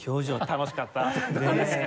楽しかったって。